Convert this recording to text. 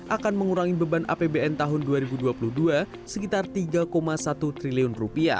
akan mengurangi beban apbn tahun dua ribu dua puluh dua sekitar rp tiga satu triliun